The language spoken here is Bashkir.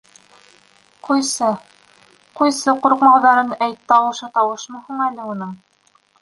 — Ҡуйсы... ҡуйсы, ҡурҡмауҙарын әйт, тауышы тауышмы һуң әле уның.